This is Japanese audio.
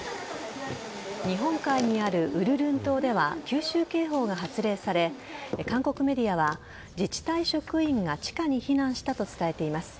日本海にあるウルルン島では空襲警報が発令され韓国メディアは自治体職員が地下に避難したと伝えています。